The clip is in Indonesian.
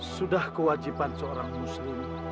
sudah kewajiban seorang muslim